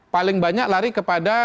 paling banyak lari kepada